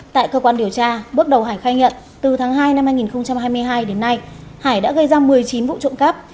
tại cơ quan điều tra bước đầu hải khai nhận từ tháng hai năm hai nghìn hai mươi hai đến nay hải đã gây ra một mươi chín vụ trộm cắp